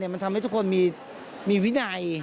มันทำให้ทุกคนมีวินัย